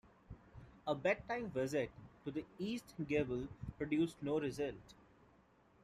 A bedtime visit to the east gable produced no result.